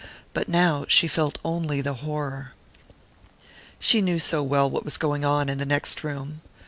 But now she felt only the horror.... She knew so well what was going on in the next room.